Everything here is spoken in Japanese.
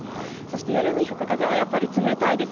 夜に吹く風はやはり冷たいです。